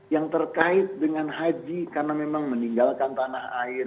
yang terkait dengan haji karena memang meninggalkan tanah air